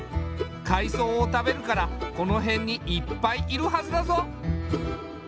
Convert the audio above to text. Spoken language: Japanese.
海藻を食べるからこの辺にいっぱいいるはずだぞ。